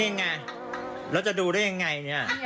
นี่ไงแล้วจะดูได้ยังไงเนี่ย